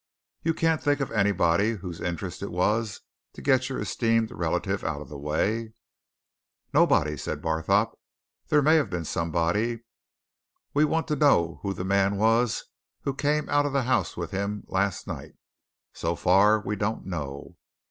You can't think of anybody whose interest it was to get your esteemed relative out of the way?" "Nobody!" said Barthorpe. "There may have been somebody. We want to know who the man was who came out of the House with him last night so far we don't know.